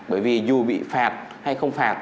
bởi vì dù bị phạt hay không phạt